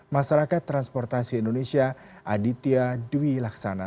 masyarakat transportasi indonesia aditya dwi laksana